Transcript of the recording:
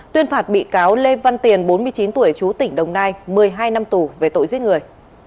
tuyên phạt bị cáo lê văn tiền bốn mươi chín tuổi chú tỉnh đồng nai một mươi hai năm tù về tội giết người